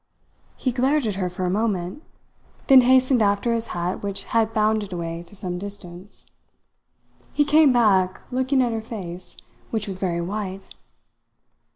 He glared at her for a moment, then hastened after his hat which had bounded away to some distance. He came back looking at her face, which was very white.